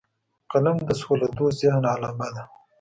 قلم د سولهدوست ذهن علامه ده